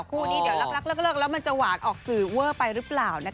คู่นี้เดี๋ยวรักเลิกแล้วมันจะหวานออกสื่อเวอร์ไปหรือเปล่านะคะ